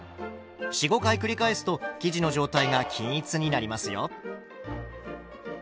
４５回繰り返すと生地の状態が均一になりますよ。